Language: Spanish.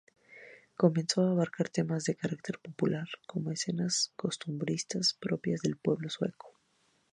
Comenzó a abarcar temas de carácter popular, como escenas costumbristas propias del pueblo sueco.